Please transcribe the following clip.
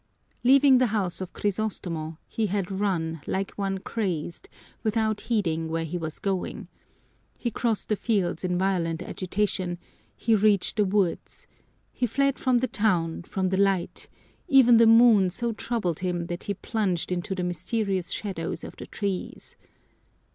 Leaving the house of Crisostomo, he had run like one crazed, without heeding where he was going. He crossed the fields in violent agitation, he reached the woods; he fled from the town, from the light even the moon so troubled him that he plunged into the mysterious shadows of the trees.